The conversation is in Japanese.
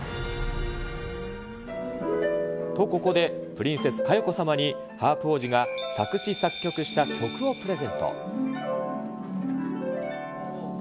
と、ここでプリンセス佳代子様に、ハープ王子が作詞作曲した曲をプレゼント。